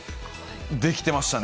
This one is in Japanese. できてましたね。